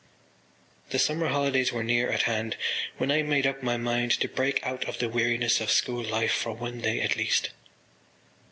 The summer holidays were near at hand when I made up my mind to break out of the weariness of school life for one day at least.